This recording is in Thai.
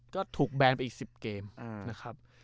ก็ถูกแบนไปอีก๑๐เกมนะครับ